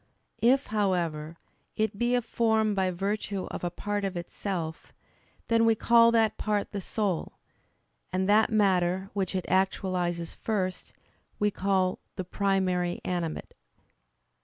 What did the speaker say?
If, however, it be a form by virtue of a part of itself, then we call that part the soul: and that matter, which it actualizes first, we call the "primary animate."